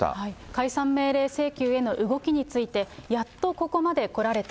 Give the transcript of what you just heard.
解散命令請求への動きについて、やっとここまで来られた。